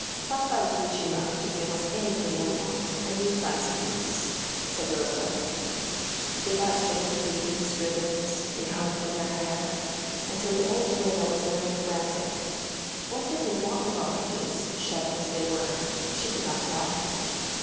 "Papa is rich enough to give us any thing we want, and we fancy these," said Rosebud. They bought strings of beads, ribbons, and combs for their hair, until the old duenna was nearly frantic. What they could want of all these, shut up as they were, she could not tell.